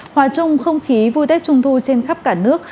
hòa chung không khí vui tết trung thu trên khắp cả nước